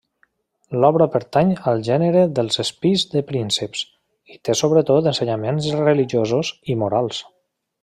L'obra pertany al gènere dels espills de prínceps, i té sobretot ensenyaments religiosos i morals.